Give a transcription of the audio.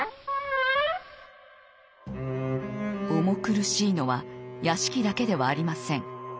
重苦しいのは屋敷だけではありません。